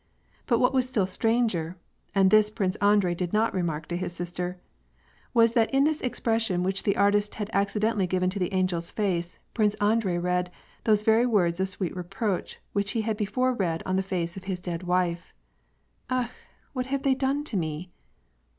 But what was still stranger — and this Prince Andrei did not remark to his sister — was that in this ex pression which the artist had accidentally given to the angel's face, Prince Andrei read those very words of sweet reproach which he had before read on the face of his dead wife, —" Akh ! what have they done to me